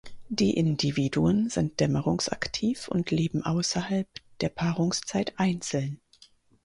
Die Individuen sind dämmerungsaktiv und leben außerhalb der Paarungszeit einzeln.